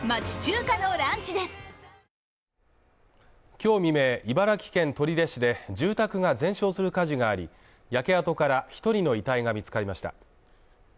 今日未明、茨城県取手市で住宅が全焼する火事があり焼け跡から１人の遺体が見つかりました。